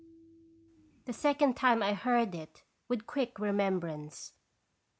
^ 9* PP The second time I heard it with quick re membrance.